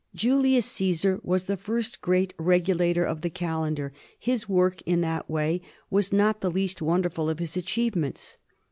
Julius Caesar was the first great regulator of the calendar; his work in that way was not the least wonderful of his achievements.